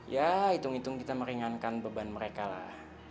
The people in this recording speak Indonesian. ya hitung hitung kita meringankan beban mereka lah